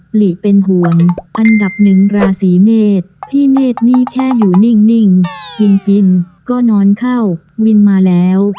หลีเป็นห่วงอันดับหนึ่งราศีเมษพี่เมฆนี่แค่อยู่นิ่งกินฟินก็นอนเข้าวินมาแล้ว